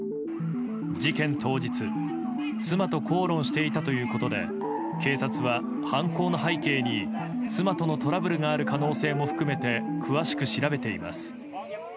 事件当日妻と口論していたということで警察は、犯行の背景に妻とのトラブルがある可能性も含めて詳しく調べています。